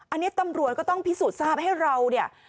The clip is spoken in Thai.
อันนี้ตำรวจก็ต้องพิสูจน์ทราบให้เราเนี่ย